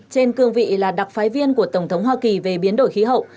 trên cương vị là đặc phái viên của tổng thống hoa kỳ về biến đổi khí hậu